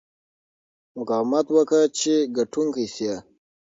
مقاومت وکړه چې ګټونکی شې.